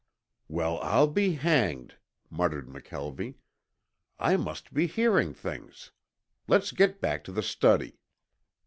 "Well, I'll be hanged," muttered McKelvie. "I must be hearing things. Let's get back to the study."